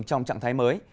trong trạng thái mới